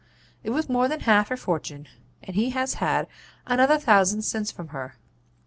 'It was more than half her fortune, and he has had another thousand since from her.